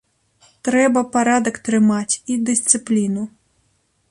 Трэба парадак трымаць і дысцыпліну.